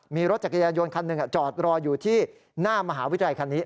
มีรถจักรยานยนต์คันหนึ่งจอดรออยู่ที่หน้ามหาวิทยาลัยคันนี้